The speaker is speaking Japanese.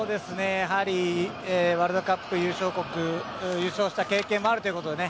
やはりワールドカップ優勝国優勝した経験もあるということでね